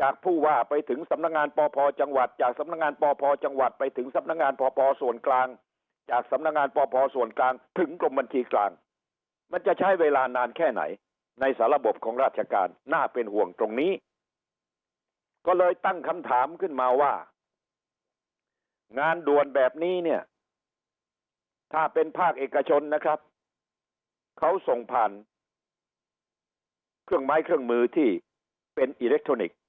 จากผู้ว่าไปถึงสำนักงานปจจจจจจจจจจจจจจจจจจจจจจจจจจจจจจจจจจจจจจจจจจจจจจจจจจจจจจจจจจจจจจจจจจจ